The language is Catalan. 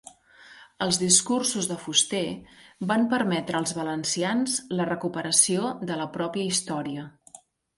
Els discursos de Fuster van permetre als valencians la recuperació de la pròpia història.